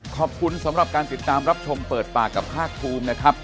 ขอบคุณสำหรับการติดตามรับชมเปิดปากกับภาคภูมินะครับ